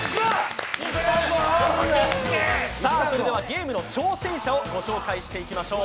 それではゲームの挑戦者をご紹介していきましょう。